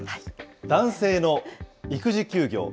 男性の育児休業。